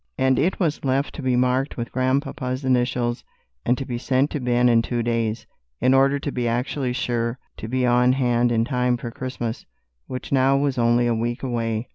And it was left to be marked with Grandpapa's initials and to be sent to Ben in two days, in order to be actually sure to be on hand in time for Christmas, which now was only a week away.